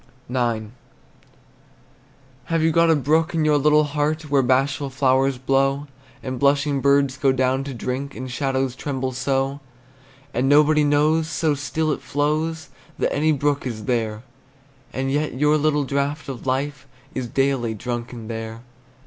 IX. Have you got a brook in your little heart, Where bashful flowers blow, And blushing birds go down to drink, And shadows tremble so? And nobody knows, so still it flows, That any brook is there; And yet your little draught of life Is daily drunken there.